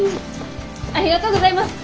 ありがとうございます！